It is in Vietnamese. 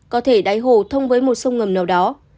có thể đáy hồ thông với một sông ngầm nào đó